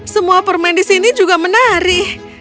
semua permen di sini juga menarik